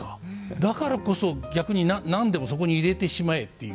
だからこそ逆に何でもそこに入れてしまえっていう。